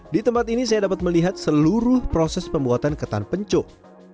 di tempat ini saya dapat melihat seluruh proses pembuatan ketan pencuk